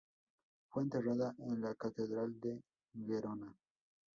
Fue enterrada en la catedral de Gerona.